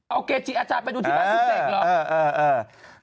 เอาเกจิอาจารย์ไปดูที่บ้านคุณเสกเหรอ